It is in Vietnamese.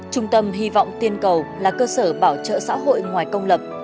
trung tâm hy vọng tiên cầu là cơ sở bảo trợ xã hội ngoài công lập